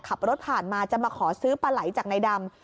ขับรถผ่านมาจะมาขอซื้อปลาไหลจากในดำ